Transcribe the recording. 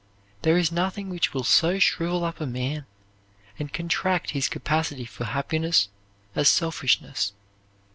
There is nothing which will so shrivel up a man; and contract his capacity for happiness as selfishness.